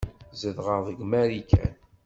Zedɣeɣ deg Marikan.